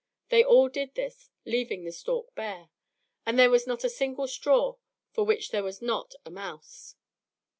They all did this, leaving the stalk bare, and there was not a single straw for which there was not a mouse.